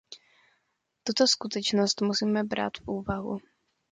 Tuto skutečnost musíme brát v úvahu.